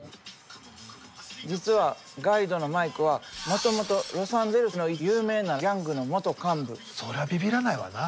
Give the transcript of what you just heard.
実はガイドのマイクはもともとロサンゼルスの有名なそりゃびびらないわな。